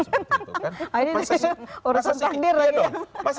ini urusan takdir lagi ya